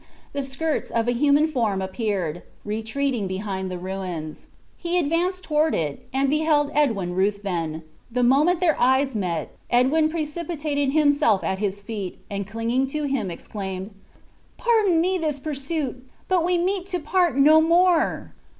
The skirts of a human figure appeared, retreating behind the ruins. He advanced toward it, and beheld Edwin Ruthven. The moment their eyes met, Edwin precipitated himself at his feet, and clinging to him, exclaimed: "Pardon me this pursuit! But we meet to part no more."